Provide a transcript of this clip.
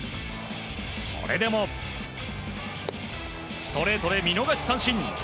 それでも、ストレートで見逃し三振。